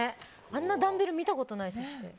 あんなダンベル見たことない。